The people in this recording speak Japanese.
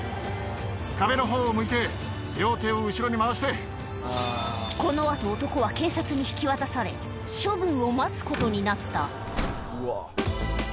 壁のほうを向いて、両手を後ろにこのあと男は警察に引き渡され、処分を待つことになった。